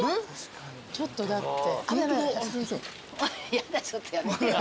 やだちょっとやめて。